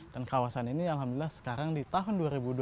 dan kawasan ini alhamdulillah sekarang di tahun dua ribu dua puluh tiga